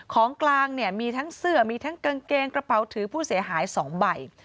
ของกลางเนี่ยมีทั้งเสื้อมีทั้งกางเกงกระเป๋าถือผู้เสียหาย๒ใบ